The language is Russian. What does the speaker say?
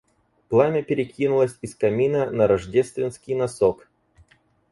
Пламя перекинулось из камина на рождественский носок.